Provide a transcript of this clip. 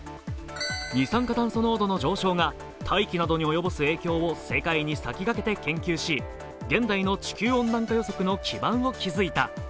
二酸化炭素濃度の上昇が大気などに及ぼす影響を世界に先駆けて研究し、現在の地球温暖化分析研究の基盤を築いた。